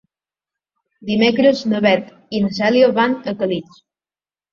Dimecres na Beth i na Cèlia van a Càlig.